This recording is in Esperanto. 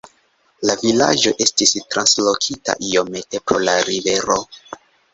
La vilaĝo estis translokita iomete pro la rivero.